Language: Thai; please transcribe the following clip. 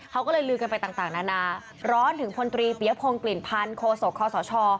เขาก็เลยลือกันไปต่างนานาร้อนถึงพลตรีเปียพงศ์กลิ่นพันธ์โคศกคอสช